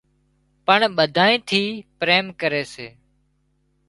پڻ ٻڌانئين ٿي پريم ڪري سي